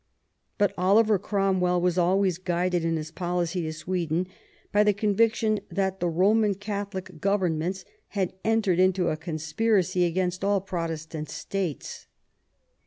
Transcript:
But Oliver Cromwell was always guided in his policy to Sweden by the conviction that the Eoman Catholic governments had entered upon a conspiracy against all Protestant states.